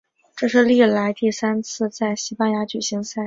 这是历来第三次在西班牙举行赛事。